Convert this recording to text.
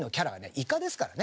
イカですからね。